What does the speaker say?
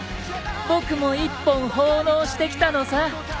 僕も１本奉納してきたのさ！